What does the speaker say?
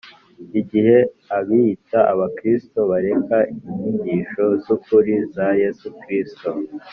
igihe abiyita Abakristo barekaga inyigisho z’ ukuri za Yesu Kristo.